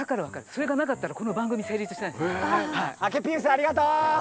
それがなかったらこの番組成立してないですね。